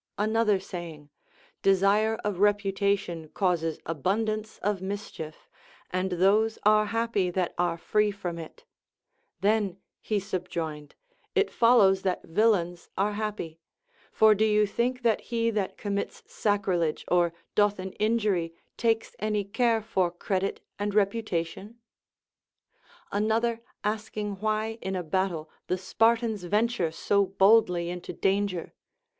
Another saying, Desire of reputation causes abundance of mischief, and those are happy that are free from it ; Then, he subjoined, it follows that villains are happy ; for do you think that he that commits sacrilege or doth an injury takes any care for credit and reputation ? Another asking why in a battle the Spartans venture so boldly into danger.